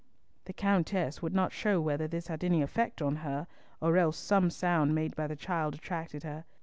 The Countess would not show whether this had any effect on her, or else some sound made by the child attracted her.